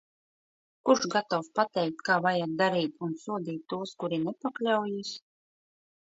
Kurš gatavs pateikt, kā vajag darīt un sodīt tos, kuri nepakļaujas.